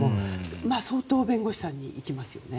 相当弁護士さんに行きますよね。